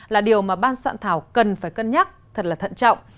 là điều mà ban soạn thảo cần phải cân nhắc thật là thận trọng